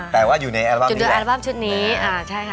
แต่ว่าอยู่ในแอลบั้มชุดนี้